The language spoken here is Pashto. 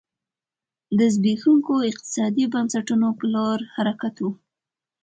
د زبېښونکو اقتصادي بنسټونو په لور حرکت و.